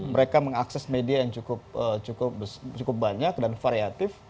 mereka mengakses media yang cukup banyak dan variatif